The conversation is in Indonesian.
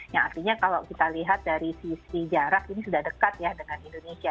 yang artinya kalau kita lihat dari sisi jarak ini sudah dekat ya dengan indonesia